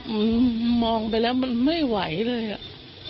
มองไปแล้วมันไม่ไหวเลยอ่ะ